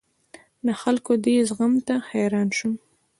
د خلکو دې زغم ته حیران شوم.